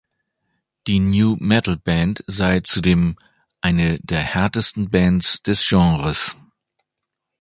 Die Nu-Metal-Band sei zudem „eine der härtesten Bands des Genres“.